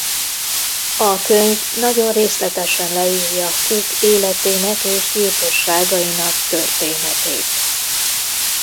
A könyv nagyon részletesen leírja Cooke életének és gyilkosságainak történetét.